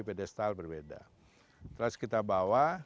pedestal berbeda terus kita bawa